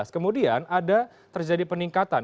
kemudian ada terjadi peningkatan